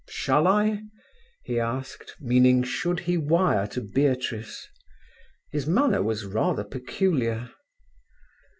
"Shall I?" he asked, meaning, should he wire to Beatrice. His manner was rather peculiar.